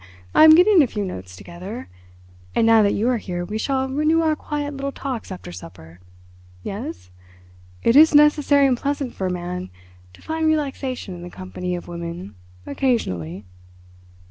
I am getting a few notes together. And now that you are here we shall renew our quiet little talks after supper. Yes? It is necessary and pleasant for a man to find relaxation in the company of women occasionally."